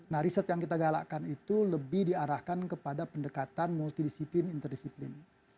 nah riset yang kita galakkan itu lebih diarahkan kepada pendekatan multidisiplin interdisiplin